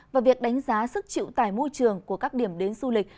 và việc đánh giá sức chịu tải môi trường của các điểm đến du lịch